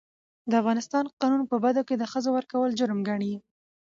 د افغانستان قانون په بدو کي د ښځو ورکول جرم ګڼي.